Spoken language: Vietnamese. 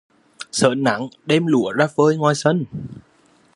Xởn nắng đem lúa ra phơi ngoài sân